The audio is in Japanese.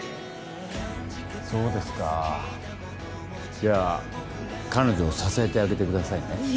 そうですかじゃあ彼女を支えてあげてくださいね